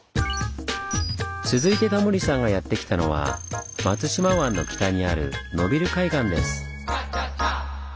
続いてタモリさんがやって来たのは松島湾の北にある野蒜海岸です。